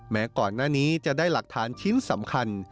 แม้ก่อนหน้านี้จะได้หลักฐานชิ้นสำคัญ